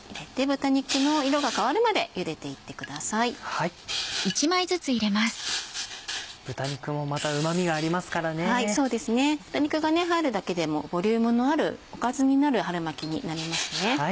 豚肉が入るだけでもボリュームのあるおかずになる春巻きになりますね。